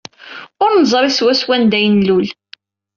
Ur neẓri swaswa anda ay nlul.